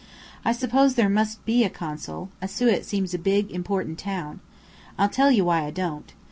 I suppose there must be a consul Asiut seems a big, important town. I'll tell you why I don't.